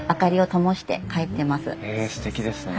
へえすてきですね。